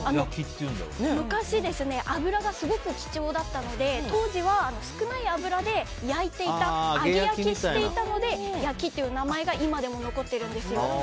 昔、油がすごく貴重だったので当時は少ない油で焼いていた揚げ焼きしていたので焼きという名前が今でも残っているんですよ。